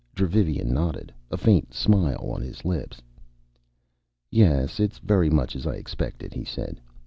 Dravivian nodded, a faint smile on his lips. "Yes, it's very much as I expected," he said.